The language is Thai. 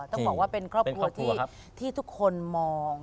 ต้องบอกว่าเป็นครอบครัวที่ทุกคนมอง